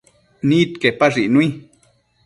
Nidquepash icnui